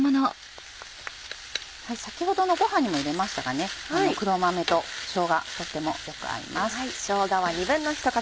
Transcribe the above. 先ほどのごはんにも入れましたが黒豆としょうがとってもよく合います。